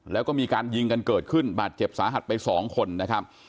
แล้วก็มีการยิงกันเกิดขึ้นบาดเจ็บสาหัสไปสองคนนะครับ